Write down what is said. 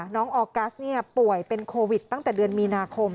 ออกัสป่วยเป็นโควิดตั้งแต่เดือนมีนาคม